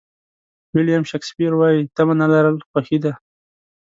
ویلیام شکسپیر وایي تمه نه لرل خوښي ده.